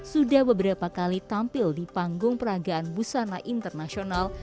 sudah beberapa kali tampil di panggung peragaan busana internasional